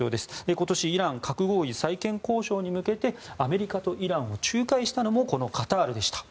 今年、イランの核合意再建交渉に向けてアメリカとイランを仲介したのもこのカタールでした。